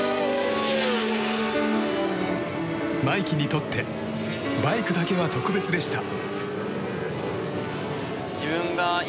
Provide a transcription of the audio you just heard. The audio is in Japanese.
真生騎にとってバイクだけは特別でした。